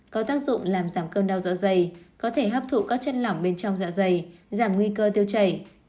có tác dụng làm giảm cơn đau dạ dày có thể hấp thụ các chân lỏng bên trong dạ dày giảm nguy cơ tiêu chảy